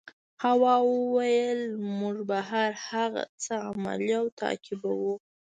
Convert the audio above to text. هوا وویل موږ به هر هغه څه عملي او تعقیبوو.